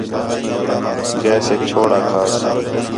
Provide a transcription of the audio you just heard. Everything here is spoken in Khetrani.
گیسیک چھوڑ آکھاس